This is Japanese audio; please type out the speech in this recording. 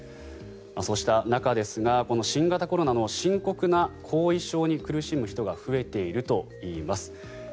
そうした中ですが新型コロナの深刻な後遺症に苦しむ人が増えているといいます。